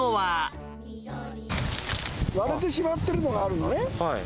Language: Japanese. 割れてしまってるのがあるのね。